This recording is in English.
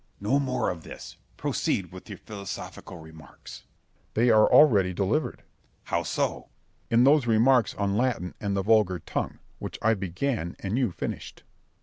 Scip. No more of this: proceed to your philosophical remarks. Berg. They are already delivered. Scip. How so? Berg. In those remarks on Latin and the vulgar tongue, which I began and you finished.